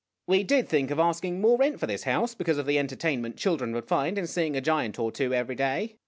" We did think of asking more rent for this house, because of the entertainment children would find in seeing a giant or two every day.